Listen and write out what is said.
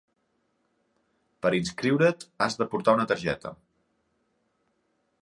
Per inscriure't has de portar una targeta.